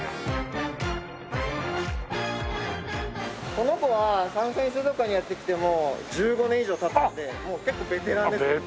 この子はサンシャイン水族館にやって来てもう１５年以上経つのでもう結構ベテランですね。